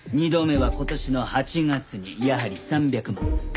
２度目は今年の８月にやはり３００万。